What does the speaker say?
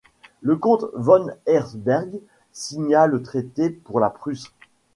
Le comte von Hertzberg signa le traité pour la Prusse.